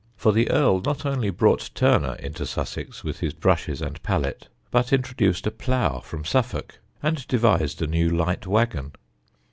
For the Earl not only brought Turner into Sussex with his brushes and palette, but introduced a plough from Suffolk and devised a new light waggon.